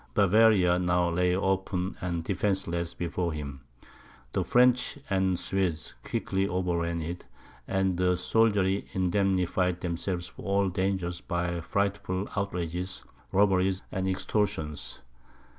Bavaria now lay open and defenceless before him; the French and Swedes quickly overran it; and the soldiery indemnified themselves for all dangers by frightful outrages, robberies, and extortions.